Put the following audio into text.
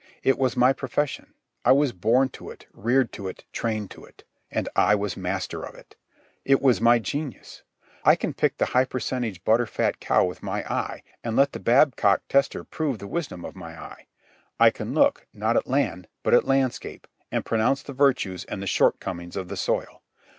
It was my profession. I was born to it, reared to it, trained to it; and I was a master of it. It was my genius. I can pick the high percentage butter fat cow with my eye and let the Babcock Tester prove the wisdom of my eye. I can look, not at land, but at landscape, and pronounce the virtues and the shortcomings of the soil.